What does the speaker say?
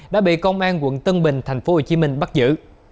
đã bị công an quận tân bình tp hcm bắt giữ